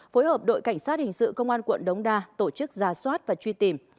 phối hợp đội cảnh sát hình sự công an quận đống đa tổ chức ra soát và truy tìm